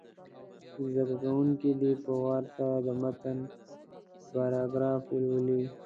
زده کوونکي دې په وار سره د متن پاراګراف ولولي.